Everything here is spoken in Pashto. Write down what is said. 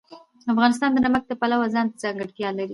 افغانستان د نمک د پلوه ځانته ځانګړتیا لري.